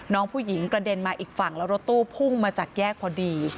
น้องผู้หญิงกระเด็นมาอีกฝั่งแล้วรถตู้พุ่งมาจากแยกพอดี